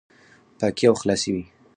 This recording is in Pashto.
پاکي او خلاصي وي،